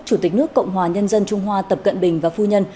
chủ tịch nước cộng hòa nhân dân trung hoa tập cận bình và phu nhân